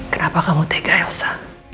kenapa kamu tega elsa